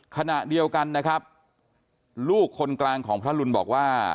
ขณะเดียวกันนะครับลูกคนกลางของพระรุนบอกว่า